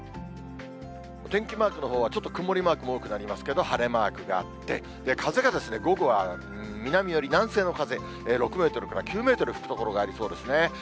お天気マークのほうは、ちょっと曇りマークも多くなりますけど、晴れマークがあって、風が午後は南より、南西の風、６メートルから９メートル吹く所がありそうですね。